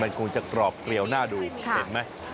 มันคงจะกรอบเกลียวหน้าดูเห็นไหม